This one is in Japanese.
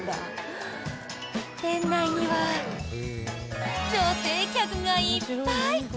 店内には女性客がいっぱい！